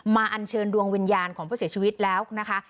อันเชิญดวงวิญญาณของผู้เสียชีวิตแล้วนะคะ